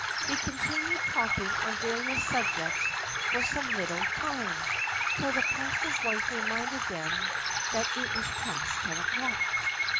They continued talking on various subjects for some little time, till the pastor's wife reminded them that it was past ten o'clock.